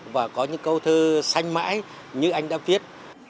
và có những câu thơ xanh mãi như anh đã viết